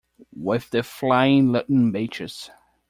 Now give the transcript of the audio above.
With The Flying Luttenbachers